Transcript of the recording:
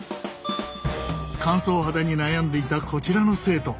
乾燥肌に悩んでいたこちらの生徒。